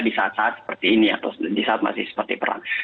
di saat saat seperti ini atau di saat masih seperti perang